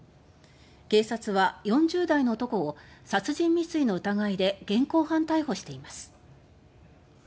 警察は４０代の男を殺人未遂の疑いで現行犯逮捕しています。